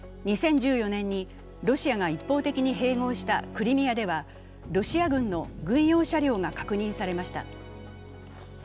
２０１４年にロシアが一方的に併合したクリミアではロシア軍の軍用車両が確認さました。